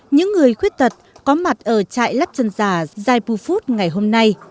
những người khuyết tật có mặt ở chạy lắp chân giả zai pu food ngày hôm nay